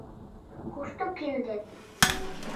Кушто киндет?